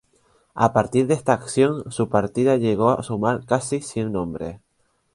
A partir de esta acción, su partida llegó a sumar casi cien hombres.